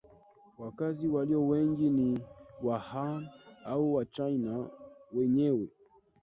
Wakazi walio wengi ni Wahan au Wachina wenyewe